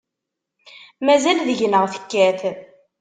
Mazal deg-neɣ tekkat.